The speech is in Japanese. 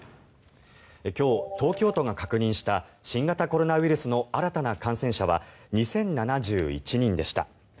今日、東京都が確認した新型コロナウイルスの新たな感染者は２０７１人でした。